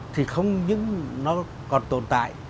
thì không những nó còn tồn tại